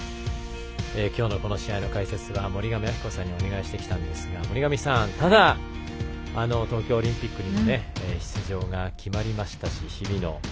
きょうのこの試合の解説は森上亜希子さんにお願いしてきたんですが森上さん、東京オリンピックへの出場が決まりました日比野。